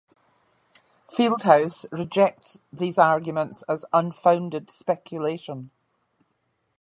Fieldhouse rejects these arguments as unfounded speculation.